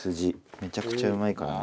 めちゃくちゃうまいからね。